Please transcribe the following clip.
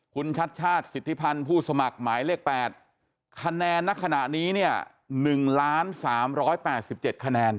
คุณชัดชาติสิทธิพันธ์ผู้สมัครหมายเลข๘คะแนนในขณะนี้เนี่ย๑๓๘๗คะแนน